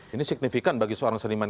ini signifikan bagi seorang seniman